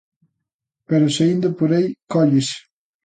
Pero saíndo por aí cóllese.